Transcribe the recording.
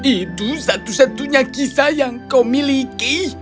itu satu satunya kisah yang kau miliki